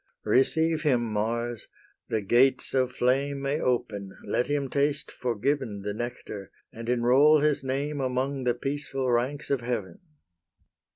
Receive him, Mars! the gates of flame May open: let him taste forgiven The nectar, and enrol his name Among the peaceful ranks of Heaven.